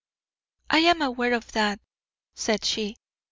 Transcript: "I am aware of that," said she.